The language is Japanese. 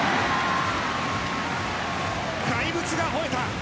怪物がほえた。